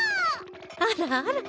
あらあら。